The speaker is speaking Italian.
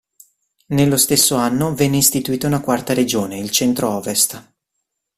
Nello stesso anno venne istituita una quarta regione, il centro-ovest.